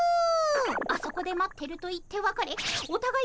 「あそこで待ってる」と言ってわかれおたがい